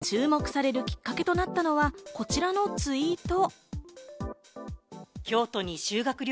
この議論、注目されるきっかけとなったのはこちらのツイート。